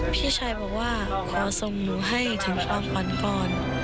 พี่ชายบอกว่าขอส่งหนูให้ถึงความฝันก่อน